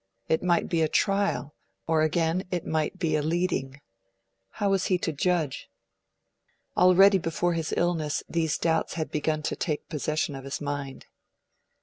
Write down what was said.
It might be 'a trial', or again it might be a 'leading'; how was he to judge? Already, before his illness, these doubts had begun to take possession of his mind.